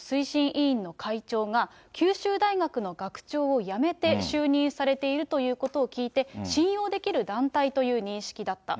委員の会長が、九州大学の学長を辞めて就任されているということを聞いて、信用できる団体という認識だった。